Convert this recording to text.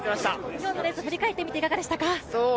今日のレース振り返ってみていかがですか？